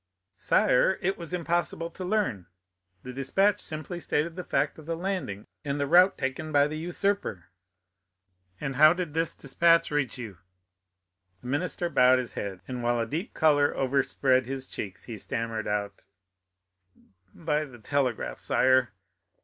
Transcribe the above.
"Sire, it was impossible to learn; the despatch simply stated the fact of the landing and the route taken by the usurper." "And how did this despatch reach you?" inquired the king. The minister bowed his head, and while a deep color overspread his cheeks, he stammered out: "By the telegraph, sire."